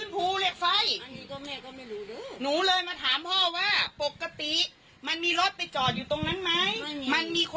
เพราะว่าพ่อผู้ใหญ่นัดอยู่ไว้